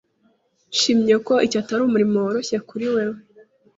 Nshimye ko iki atari umurimo woroshye kuri wewe.